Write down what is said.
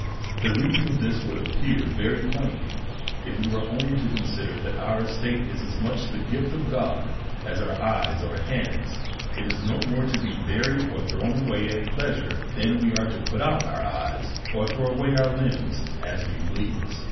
The reason of this would appear very plain^ if we were only to consider that our estate is as much the gift of God as our eyes or our hands, and is no more to be buried, or thrown away at pleasure, than we are to put out our eyes^ or throw away our limbs as we please.